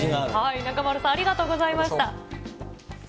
中丸さん、ありがとうございました。